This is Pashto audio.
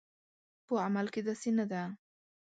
په عمل کې داسې نه ده